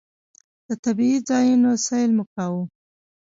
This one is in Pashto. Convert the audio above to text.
د طبعي ځایونو سیل مو کاوه.